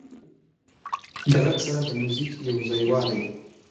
د غږ سره د موزیک یو ځایوالی